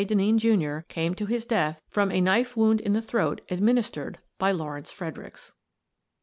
Denneen, Jr., "came to his death from a knife wound in the throat administered by Law rence Fredericks."